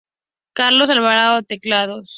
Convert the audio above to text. Carlos Alvarado, Teclados.